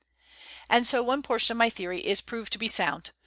And so one portion of my theory is proved to be sound.